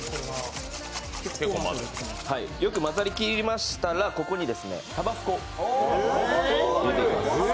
よく混ざりきりましたらここにタバスコを入れていきます。